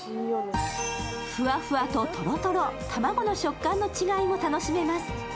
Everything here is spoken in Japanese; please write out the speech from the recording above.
ふわふわととろとろ、卵の食感の違いも楽しめます。